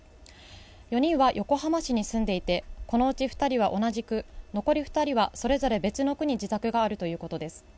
４人は横浜市に住んでいてこのうち２人は同じ区、残り２人はそれぞれ別の区に自宅があるということです。